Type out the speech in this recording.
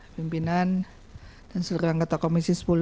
pimpinan dan seluruh anggota komisi sepuluh